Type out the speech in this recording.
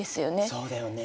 そうだよね。